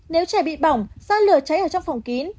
nếu trẻ bị bỏng do lửa cháy ở trong phòng kín